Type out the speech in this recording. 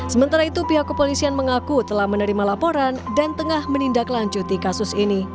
sementara itu pihak kepolisian mengaku telah menerima laporan dan tengah menindaklanjuti kasus ini